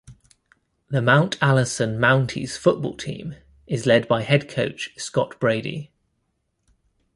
The Mount Allison Mounties Football team is led by head coach Scott Brady.